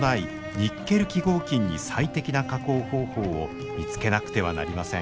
ニッケル基合金に最適な加工方法を見つけなくてはなりません。